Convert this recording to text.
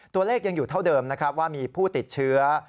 ตัวเลขยังอยู่เท่าเดิมนะครับว่ามีผู้ติดเชื้อ